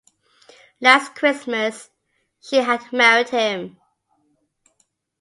Last Christmas she had married him.